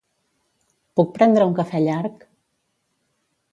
Puc prendre un cafè llarg?